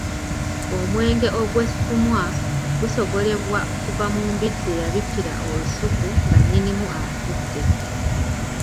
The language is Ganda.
Omwenge ogw'essuumwa gusogolebwa kuva mu mbidde eyabikira olusuku nga nnyinimu afudde.